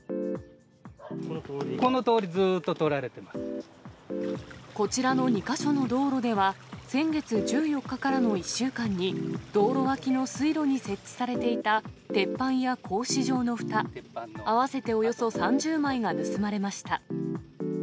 このとおり、ずっととられてこちらの２か所の道路では、先月１４日からの１週間に、道路脇の水路に設置されていた鉄板や格子状のふた、合わせておよそ３０枚が盗まれました。